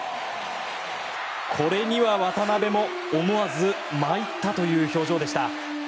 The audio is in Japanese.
これには渡邊も思わず参ったという表情でした。